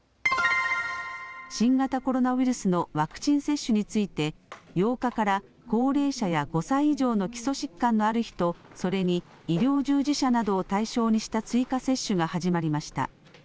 新型コロナウイルスのワクチン接種について８日から高齢者や５歳以上の基礎疾患のある人、それに医療従事者などを対象にした追加接種が始まりました。